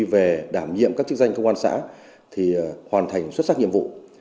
về đảm nhiệm các chức danh công an xã thì hoàn thành xuất sắc nhiệm vụ